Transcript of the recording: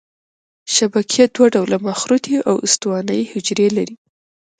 شبکیه دوه ډوله مخروطي او استوانه یي حجرې لري.